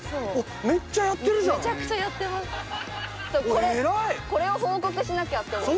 これを報告しなきゃと。